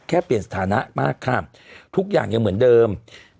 เปลี่ยนสถานะมากค่ะทุกอย่างยังเหมือนเดิม